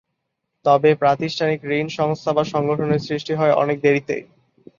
তবে প্রাতিষ্ঠানিক ঋণ সংস্থা বা সংগঠনের সৃষ্টি হয় অনেক দেরিতে।